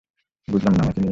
বুঝলাম না, আমাকে নিয়ে?